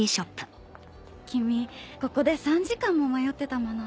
君ここで３時間も迷ってたもの。